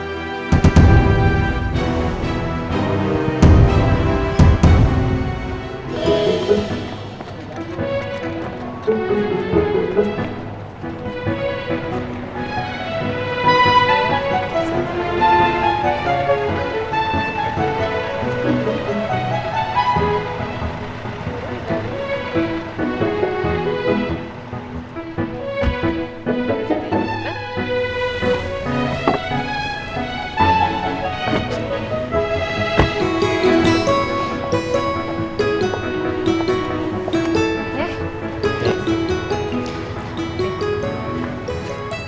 iya pak mari silakan